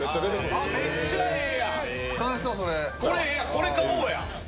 これ買おうや。